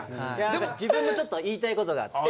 でも自分もちょっと言いたいことがあって。